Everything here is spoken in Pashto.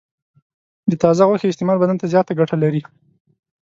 د تازه غوښې استعمال بدن ته زیاته ګټه لري.